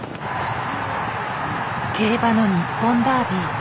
競馬の日本ダービー。